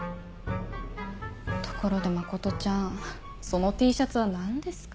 ところで真ちゃんそのＴシャツは何ですか？